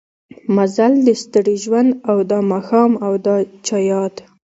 مزل د ستړي ژوند او دا ماښام او د چا ياد